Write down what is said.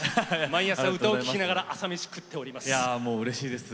毎朝、歌を聴きながら朝飯食っております。